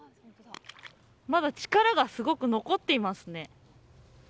まだ力がすごく残っていますね。